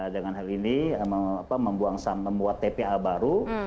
dengan hal ini membuat tpa baru